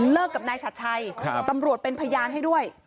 เลิกกับนายสัตว์ชัยตำรวจเป็นพยานให้ด้วย